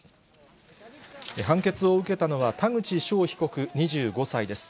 判決を受けたのは、田口翔被告２５歳です。